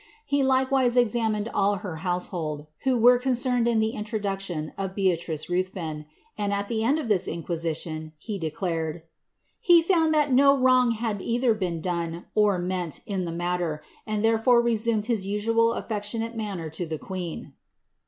He like wise eiaroined all her household, who were concerned in the introdu^ tkw of Beatrice Ruthven, and, at the end of this inquisition, he declared he found that no wr"^ had either been done, or meant, in the matter, and therefore resumea hia usual affectionate manner to the queen."